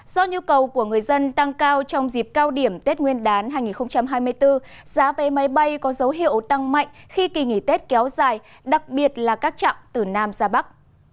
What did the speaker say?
do nhu cầu của người dân tăng cao trong dịp cao điểm tết nguyên đán hai nghìn hai mươi bốn giá vé máy bay có dấu hiệu tăng mạnh khi kỳ nghỉ tết kéo dài đặc biệt là các trạng từ nam ra bắc